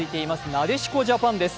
なでしこジャパンです。